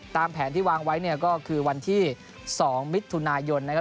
ตามแผนที่วางไว้ก็คือวันที่๒มิธุนายน